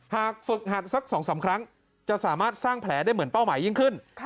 หากฝึกหัดสัก๒๓ครั้งจะสามารถสร้างแผลได้เหมือนเป้าหมายยิ่งขึ้น